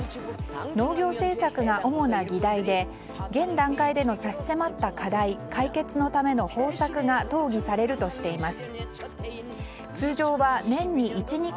農業政策が主な議題で現段階での差し迫った課題解決のための方策が討議されるとしています。